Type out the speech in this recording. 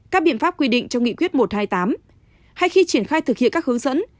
các biện pháp quy định trong nghị quyết một trăm hai mươi tám hay khi triển khai thực hiện các hướng dẫn